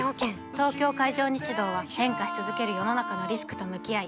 東京海上日動は変化し続ける世の中のリスクと向き合い